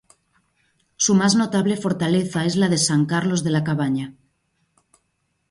Su más notable fortaleza es la de San Carlos de la Cabaña.